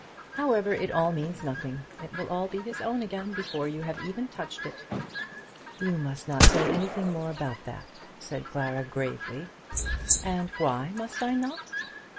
However, it all means nothing. It will all be his own again before you have even touched it." "You must not say anything more about that," said Clara gravely. "And why must I not?"